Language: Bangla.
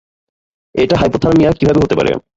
এটা হাইপোথার্মিয়া কীভাবে হতে পারে?